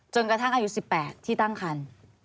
กระทั่งอายุ๑๘ที่ตั้งคัน